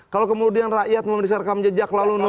kalau kemudian rakyat mau meriksa rekam jejak lalu